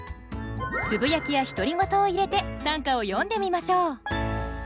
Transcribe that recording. つぶやきや独り言を入れて短歌を詠んでみましょう。